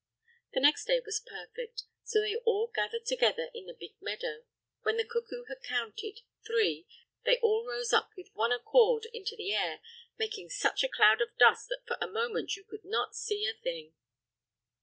The next day was perfect, so they all gathered together in a big meadow. When the cuckoo had counted "Three," they all rose up with one accord into the air, making such a cloud of dust that for a moment you could not see a thing.